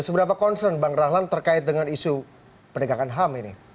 seberapa concern bang rahlan terkait dengan isu pendegakan ham ini